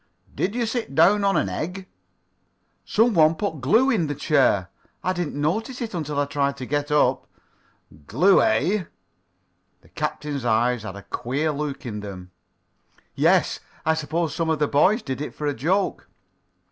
Did you sit down on an egg?" "Some one put glue in the chair. I did not notice it until I tried to get up." "Glue, eh?" The captain's eyes had a queer look in them. "Yes. I suppose some of the boys did it for a joke."